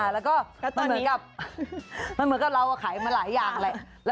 แล้วก็มันเหมือนกับเราก็ขายมาหลายอย่างแหละ